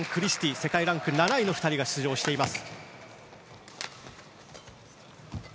世界ランク７位の２人が出場しています。